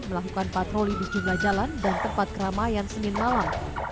melakukan patroli di sejumlah jalan dan tempat keramaian senin malam